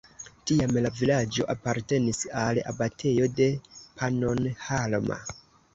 Tiam la vilaĝo apartenis al abatejo de Pannonhalma.